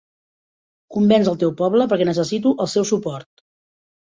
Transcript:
Convenç el teu poble perquè necessito el seu suport.